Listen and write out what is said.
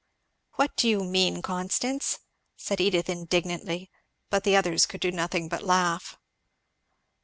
"What do you mean, Constance?" said Edith indignantly. But the others could do nothing but laugh.